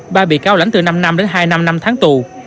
ba bị cáo lãnh từ năm năm đến hai năm năm tháng tù